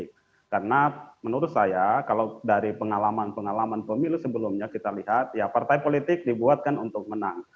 karena menurut saya kalau dari pengalaman pengalaman pemilu sebelumnya kita lihat ya partai politik dibuatkan untuk menang